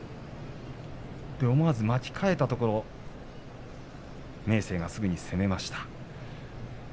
思わず巻き替えたところ明生がすぐに攻めました。